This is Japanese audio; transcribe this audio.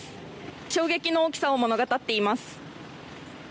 衝撃の大きさを物語っています。